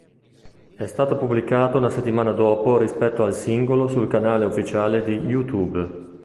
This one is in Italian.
È stato pubblicato una settimana dopo rispetto al singolo sul canale ufficiale di YouTube.